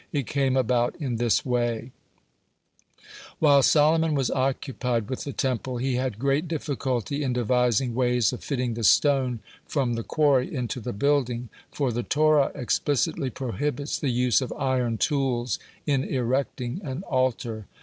It came about in this way: While Solomon was occupied with the Temple, he had great difficulty in devising ways of fitting the stone from the quarry into the building, for the Torah explicitly prohibits the use of iron tools in erecting an altar.